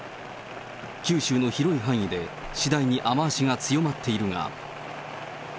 九州の広い範囲で次第に雨足が強まっているが。